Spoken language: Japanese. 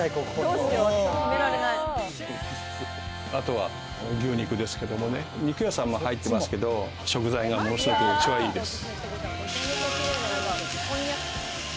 あとは牛肉、肉屋さんも入ってますけど、食材がものすごく一番いいです。